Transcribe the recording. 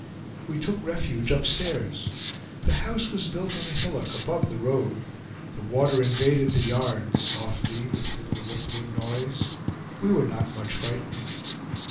We took refuge upstairs. The house was built on a hillock above the road. The water invaded the yard, softly, with a little rippling noise. We were not much frightened.